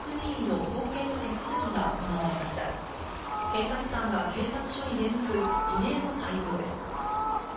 検察官が警察署に出向く、異例の対応です。